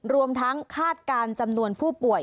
รวมทั้งคาดการณ์จำนวนผู้ป่วย